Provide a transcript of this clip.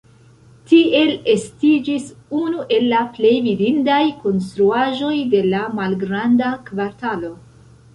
Tiel estiĝis unu el la plej vidindaj konstruaĵoj de la Malgranda Kvartalo.